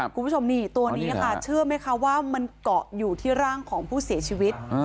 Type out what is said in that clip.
คุณผู้ชมนี่ตัวนี้ค่ะเชื่อไหมคะว่ามันเกาะอยู่ที่ร่างของผู้เสียชีวิต